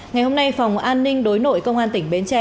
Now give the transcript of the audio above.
ngày hôm nay phòng an ninh đối nội công an tỉnh bến tre